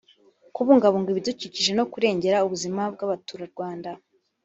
kubungabunga ibidukikije no kurengera ubuzima bw’Abaturarwanda